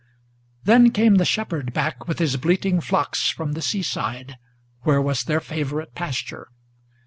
Then came the shepherd back with his bleating flocks from the seaside, Where was their favorite pasture.